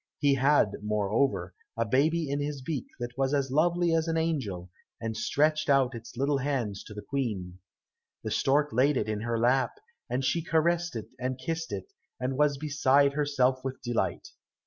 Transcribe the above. He had, moreover, a baby in his beak that was as lovely as an angel, and stretched out its little hands to the Queen. The stork laid it in her lap, and she caressed it and kissed it, and was beside herself with delight.